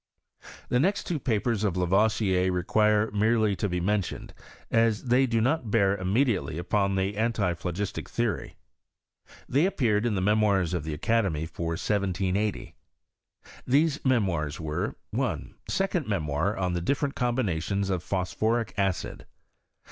The next two papers of Lavoisier require merely to be mentioned, as they do not bear immediately upon the antiphlogistic theory. They appeared in the Memoirs of the Academy, for 1780. These aoemoirs were, 1. Second Memoir on the different Combinations of Phosphoric Acid.